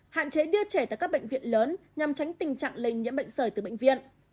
hạn chế đưa trẻ tại các bệnh viện lớn nhằm tránh tình trạng lây nhiễm bệnh sởi từ bệnh viện